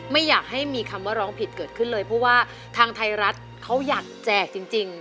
ไม่อยากให้มีคำว่าร้องผิดเกิดขึ้นเลยเพราะว่าทางไทยรัฐเขาอยากแจกจริง